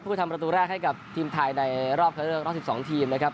ไปทำประตูแรกให้กับทีมไทยในรอบเข้าเลือกรอบ๑๒ทีมนะครับ